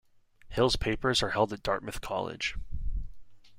Hill's papers are held at Dartmouth College.